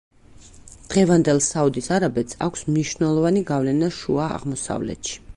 დღევანდელ საუდის არაბეთს აქვს მნიშვნელოვანი გავლენა შუა აღმოსავლეთში.